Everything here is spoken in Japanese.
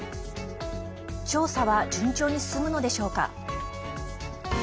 調査は順調に進むのでしょうか。